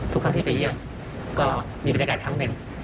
ทุกครั้งที่ไปเยี่ยมก็มีบรรยากาศครั้งหนึ่ง